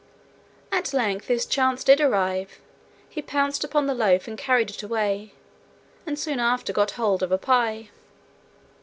At length his chance did arrive: he pounced upon the loaf and carried it away, and soon after got hold of a pie.